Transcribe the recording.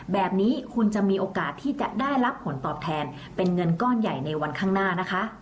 แบบนี้คุณจะมีโอกาสที่จะได้รับผลตอบแทนเป็นเงินก้อนใหญ่ในวันข้างหน้านะคะ